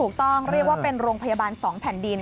ถูกต้องเรียกว่าเป็นโรงพยาบาลสองแผ่นดิน